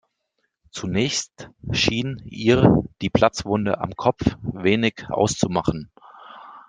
Zunächst schien ihr die Platzwunde am Kopf wenig auszumachen.